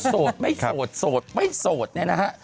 โสดไม่โสดเนี่ยนะฮะ